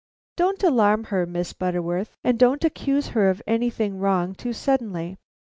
Don't alarm her, Miss Butterworth, and don't accuse her of anything wrong too suddenly.